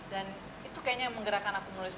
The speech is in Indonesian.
dan itu kayaknya yang menggerakkan aku menulis